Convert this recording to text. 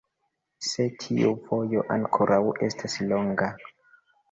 Sed tiu vojo ankoraŭ estas longa.